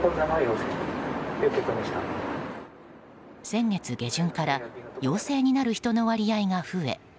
先月下旬から陽性になる人の割合が増え